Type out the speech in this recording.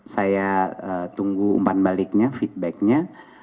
saya tunggu umpan baliknya feedbacknya